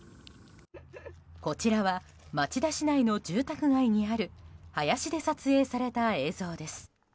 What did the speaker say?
こちらは町田市内の住宅街にある林で撮影された映像です。